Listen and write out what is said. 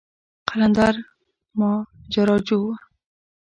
قلندر ماجراجو و.